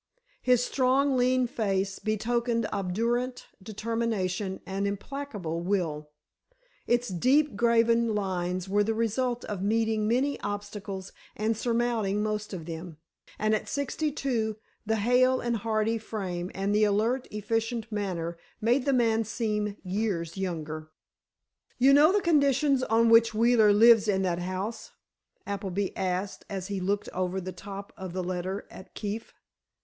His strong, lean face betokened obdurate determination and implacable will. Its deep graven lines were the result of meeting many obstacles and surmounting most of them. And at sixty two, the hale and hearty frame and the alert, efficient manner made the man seem years younger. "You know the conditions on which Wheeler lives in that house?" Appleby asked, as he looked over the top of the letter at Keefe.